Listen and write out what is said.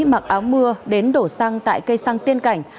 mặc áo mưa đến đổ xăng tại cây xăng tiên cảnh